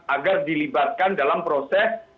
agar dilibatkan dalam proses